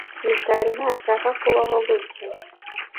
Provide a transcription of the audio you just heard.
Mitari ntashaka kubaho gutya.